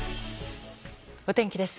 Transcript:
お天気です。